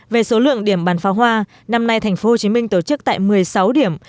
về số lượng điểm bán pháo hoa năm nay tp hcm tổ chức tại một mươi sáu điểm